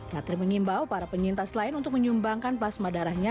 ngatri mengimbau para penyintas lain untuk menyumbangkan plasma darahnya